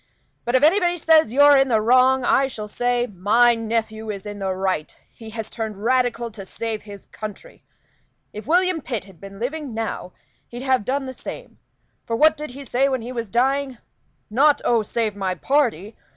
But if anybody says you're in the wrong, I shall say, 'My nephew is in the right; he has turned Radical to save his country. If William Pitt had been living now he'd have done the same; for what did he say when he was dying? Not 'Oh, save my party!'